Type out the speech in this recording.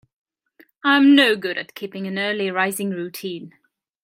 I'm no good at keeping an early rising routine.